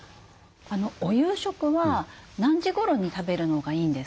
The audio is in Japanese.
お夕食は何時頃に食べるのがいいんですか？